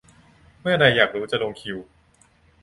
เมื่อใด อยากรู้ จะลงคิว